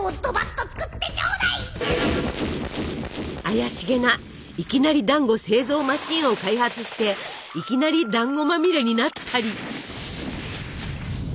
怪しげないきなりだんご製造マシンを開発していきなりだんごまみれになったり。